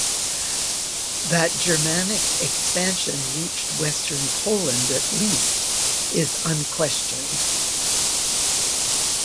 That Germanic expansion reached western Poland at least is unquestioned.